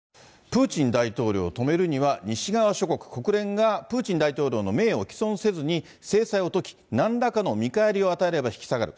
プーチン大統領を止めるには、西側諸国、国連がプーチン大統領の名誉を毀損せずに、制裁を解き、なんらかの見返りを与えれば引き下がる。